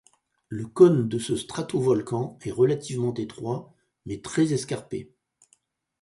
Le cône de ce stratovolcan est relativement étroit mais très escarpé.